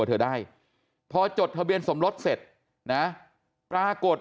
เธอได้พอจดทะเบียนสมรสเสร็จนะปรากฏ